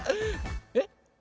えっ？